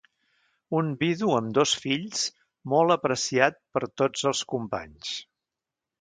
Un vidu amb dos fills molt apreciat per tots els companys.